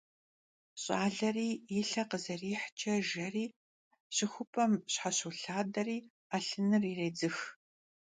Ş'aleri yi lhe khızerihç'e jjeure şıxup'em şheşolhaderi 'elhınır yirêdzıx.